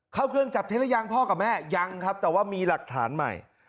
เข้าเครื่องจับเท็จหรือยังพ่อกับแม่ยังครับแต่ว่ามีหลักฐานใหม่